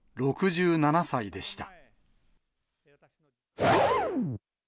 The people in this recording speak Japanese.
６７歳でした。